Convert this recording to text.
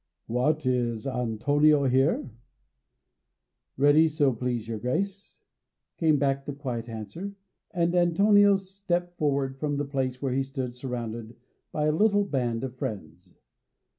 "What! is Antonio here?" "Ready, so please your grace," came back the quiet answer, and Antonio stepped forward from the place where he stood surrounded by a little band of friends.